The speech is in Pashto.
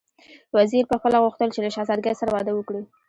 وزیر پخپله غوښتل چې له شهزادګۍ سره واده وکړي.